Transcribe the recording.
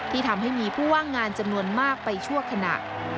ทำให้มีผู้ว่างงานจำนวนมากไปชั่วขณะ